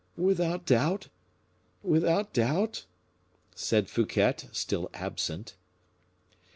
"Without doubt! without doubt!" said Fouquet, still absent.